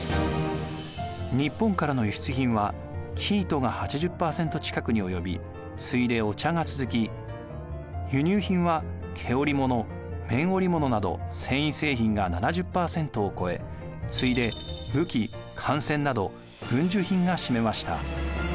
日本からの輸出品は生糸が８０％近くに及び次いでお茶が続き輸入品は毛織物綿織物など繊維製品が７０％を超え次いで武器艦船など軍需品が占めました。